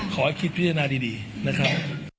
ขอคิดพิจารณาดีนะครับ